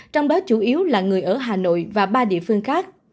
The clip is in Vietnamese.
trong đó chủ yếu là người ở hà nội và ba địa phương khác